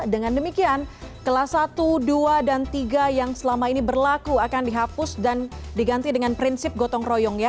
dengan demikian kelas satu dua dan tiga yang selama ini berlaku akan dihapus dan diganti dengan prinsip gotong royong ya